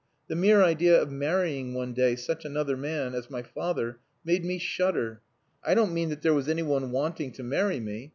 The mere idea of marrying one day such another man as my father made me shudder. I don't mean that there was anyone wanting to marry me.